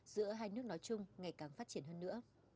giữa hai nước nói chung ngày càng phát triển hơn nữa